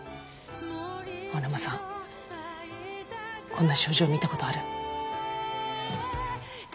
青沼さんこんな症状見たことある？